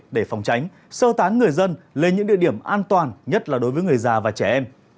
để phòng tránh sơ tán người dân lên những địa điểm an toàn nhất là đối với người già và trẻ em